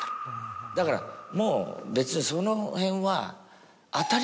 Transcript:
だからもう別にそのへんは。